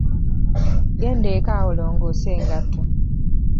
Genda eka olongoose engatto.